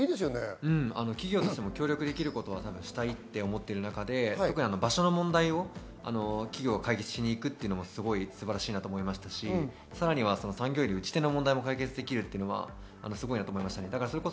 企業としても協力できることはしたいと思っている中で場所の問題を企業は解決しに行くというのは素晴らしいと思いましたし、産業医で打ち手の問題も解決できるのはすごいと思います。